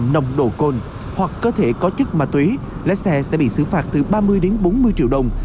nồng độ cồn hoặc cơ thể có chất ma túy lái xe sẽ bị xử phạt từ ba mươi đến bốn mươi triệu đồng